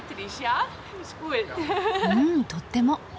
うんとっても！